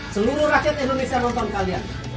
seluruh rakyat indonesia nonton kalian